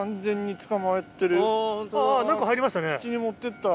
中入りましたね。